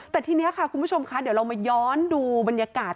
แต่ทีนี้ค่ะคุณผู้ชมคะเดี๋ยวเรามาย้อนดูบรรยากาศ